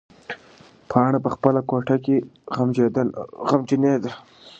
پاڼه په خپله کوټه کې غمجنېده.